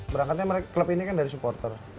berangkatnya klub ini kan dari supporter